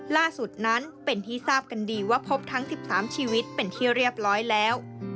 ล่าสุดนั้นเป็นที่ทราบกันดีว่าพบทั้ง๑๓ชีวิตเป็นที่เรียบร้อยแล้ว